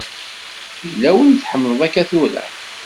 Yella win tḥemmleḍ akka tura?